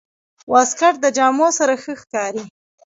واسکټ د جامو سره ښه ښکاري.